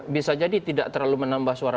bisa jadi tidak terlalu menambah suara